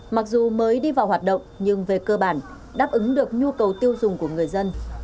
mặc dù mới đi vào hoạt động nhưng về cơ bản đáp ứng được nhu cầu tiêu dùng của người dân